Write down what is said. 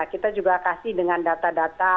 kita juga kasih dengan data data